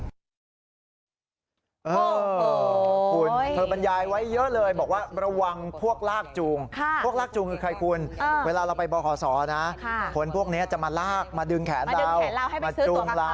เธอบรรยายไว้เยอะเลยบอกว่าระวังพวกลากจูงพวกลากจูงคือใครคุณเวลาเราไปบขศนะคนพวกนี้จะมาลากมาดึงแขนเรามาจูงเรา